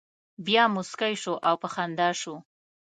بیا مسکی شو او په خندا شو.